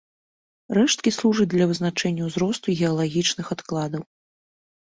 Рэшткі служаць для вызначэння ўзросту геалагічных адкладаў.